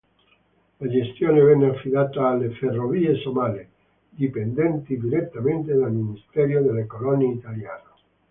La gestione venne affidata alle "Ferrovie Somale", dipendenti direttamente dal Ministero delle colonie italiano.